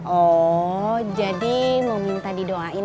oh jadi mau minta didoain